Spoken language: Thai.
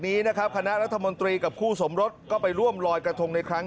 ลอยกระทงที่เผื่อความรักชับเผื่อภายในชาติของนาฬิกา